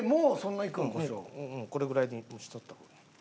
これぐらいでしとった方がいい。